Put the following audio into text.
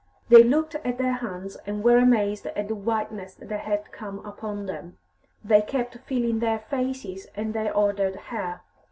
They looked at their hands, and were amazed at the whiteness that had come upon them; they kept feeling their faces and their ordered hair.